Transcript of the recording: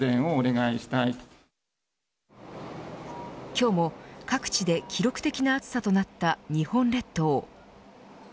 今日も各地で記録的な暑さとなった日本列島。